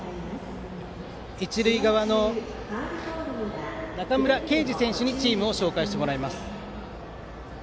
一塁側の中村慶次選手にチームを紹介してもらいます。